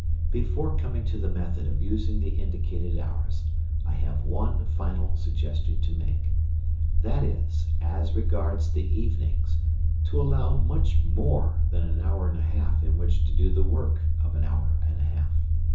Before coming to the method of using the indicated hours, I have one final suggestion to make. That is, as regards the evenings, to allow much more than an hour and a half in which to do the work of an hour and a half.